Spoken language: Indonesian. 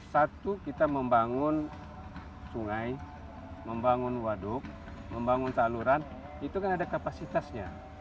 satu kita membangun sungai membangun waduk membangun saluran itu kan ada kapasitasnya